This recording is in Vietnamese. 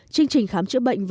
chương trình khám chữa bệnh